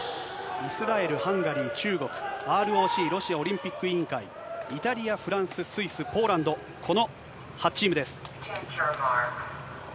イスラエル、ハンガリー、中国、ＲＯＣ・ロシアオリンピック委員会、イタリア、フランス、スイス、ポーランド、この８チームです。